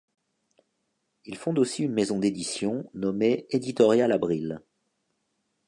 Il fonde aussi une maison d'édition nommée Editorial Abril.